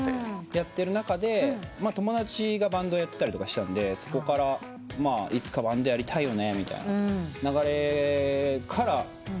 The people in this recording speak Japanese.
やってる中で友達がバンドやってたりしたんでそこから「いつかバンドやりたいよね」みたいな流れから。